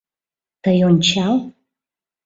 Тый ончал